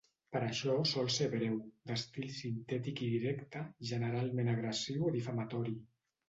Per això sol ser breu, d'estil sintètic i directe, generalment agressiu o difamatori.